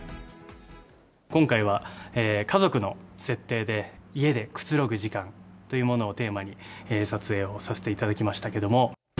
今回は家族の設定で、家でくつろぐ時間というものをテーマに、撮影をさせていただきましたけれども。